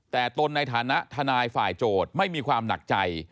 แต่ตนในฐานะทนายฝ่ายโจทย์ไม่มีความหนักใจ